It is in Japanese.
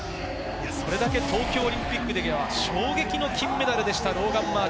それだけ東京オリンピックでは衝撃の金メダルでした。